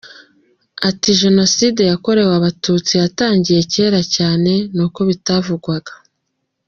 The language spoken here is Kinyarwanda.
Ati “Jenoside yakorewe Abatutsi yatangiye cyera cyane ni uko bitavugwaga.